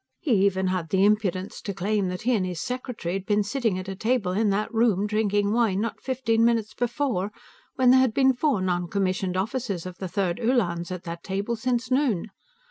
He even had the impudence to claim that he and his secretary had been sitting at a table in that room, drinking wine, not fifteen minutes before, when there had been four noncommissioned officers of the Third Uhlans at that table since noon.